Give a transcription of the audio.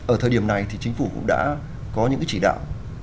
ở thời điểm này thì chính phủ cũng đã có những cái chỉ đạo